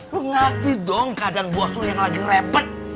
lo ngerti dong keadaan bos lo yang lagi repet